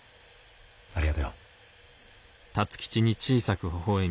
ありがとよ。